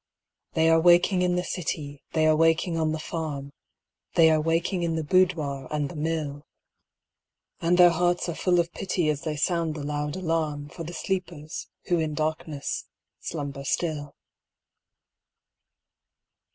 They are waking in the city, They are waking on the farm; They are waking in the boudoir, and the mill; And their hearts are full of pity As they sound the loud alarm, For the sleepers, who in darkness, slumber, still.